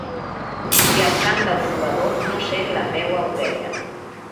Si el cant del trobador no sent la meua orella